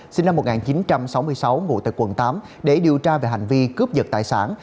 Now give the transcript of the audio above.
sinh năm một nghìn chín trăm sáu mươi sáu ngủ tại quận tám để điều tra về hành vi cướp giật tài sản